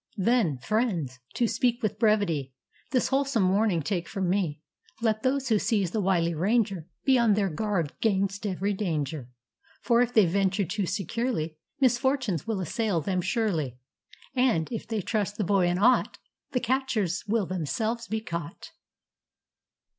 "Then, friends, to speak with brevity, This wholesome warning take from me:Let those who seize the wily rangerBe on their guard 'gainst every danger; For, if they venture too securely, Misfortunes will assail them surely; And, if they trust the boy in aught, The catchers will themselves be caught."